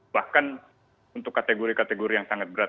bahkan untuk kategori kategori yang sangat berat